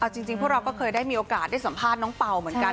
จริงพวกเราก็เคยได้มีโอกาสได้สัมภาษณ์น้องเป่าเหมือนกัน